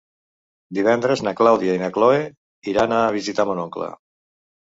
Divendres na Clàudia i na Cloè iran a visitar mon oncle.